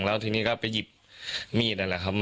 แล้วทีนี้ก็ไปหยิบมีดนั่นแหละครับ